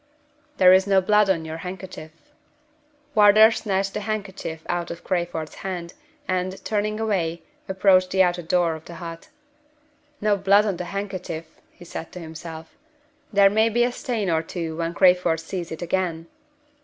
"There is no blood on your handkerchief." Wardour snatched the handkerchief out of Crayford's hand, and, turning away, approached the outer door of the hut. "No blood on the handkerchief," he said to himself. "There may be a stain or two when Crayford sees it again."